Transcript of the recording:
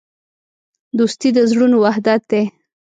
دوستي د زړونو وحدت دی.